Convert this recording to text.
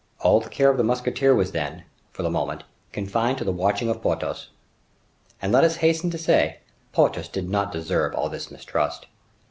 All the care of the musketeer was then, for the moment, confined to the watching of Porthos. And let us hasten to say, Porthos did not deserve all this mistrust.